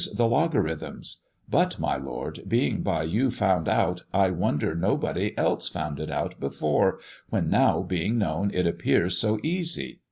the logarithms; but, my Lord, being by you found out, I wonder nobody else found it out before, when now, being known, it appears so easy.'"